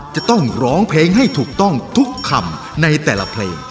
จะต้องร้องเพลงให้ถูกต้องทุกคำในแต่ละเพลง